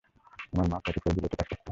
আমার মা forty four below তে কাজ করতো।